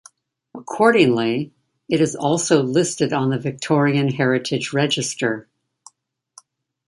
Accordingly, it is also listed on the Victorian Heritage Register.